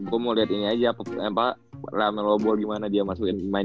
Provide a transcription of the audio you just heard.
gue mau liat ini aja apa pak rame lobo gimana dia main di nba